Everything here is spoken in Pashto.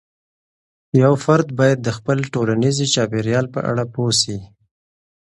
یو فرد باید د خپل ټولنيزې چاپیریال په اړه پوه سي.